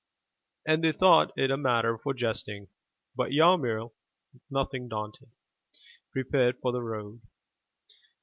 *' And they thought it a matter for jesting. But Yarmil, nothing daunted, prepared for the road.